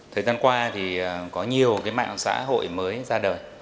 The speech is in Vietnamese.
thời gian qua thì có nhiều cái mạng xã hội mới ra đời